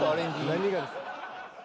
何がです？